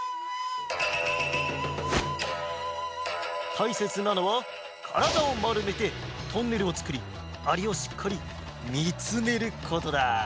たいせつなのはからだをまるめてトンネルをつくりアリをしっかりみつめることだ。